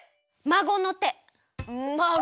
まごの手。